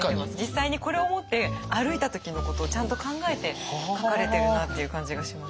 実際にこれを持って歩いた時のことをちゃんと考えて描かれてるなっていう感じがします。